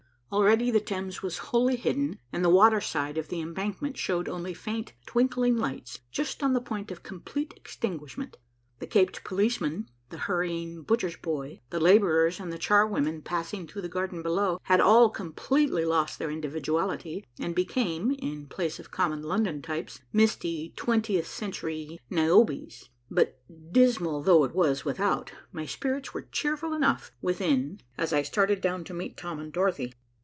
Already the Thames was wholly hidden, and the water side of the embankment showed only faint, twinkling lights, just on the point of complete extinguishment. The caped policeman, the hurrying butcher's boy, the laborers and the charwomen passing through the garden below, had all completely lost their individuality and became, in place of common London types, misty twentieth century Niobes. But dismal though it was without, my spirits were cheerful enough within as I started down to meet Tom and Dorothy.